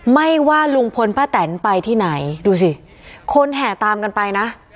ไม่ว่าลุงพลป้าแตนไปที่ไหนดูสิคนแห่ตามกันไปนะ